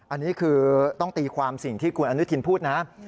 อันนี้คือต้องตีความสิ่งที่คุณอนุทินพูดนะ